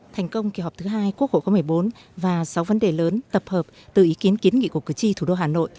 thành công kỳ họp thứ hai quốc hội khóa một mươi bốn và sáu vấn đề lớn tập hợp từ ý kiến kiến nghị của cử tri thủ đô hà nội